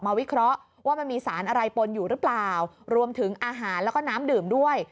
วิเคราะห์ว่ามันมีสารอะไรปนอยู่หรือเปล่ารวมถึงอาหารแล้วก็น้ำดื่มด้วย